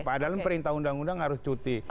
padahal perintah undang undang harus cuti